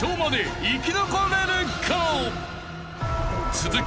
［続く］